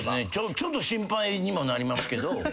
ちょっと心配にもなりますけど。